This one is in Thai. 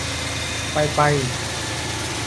ไปไป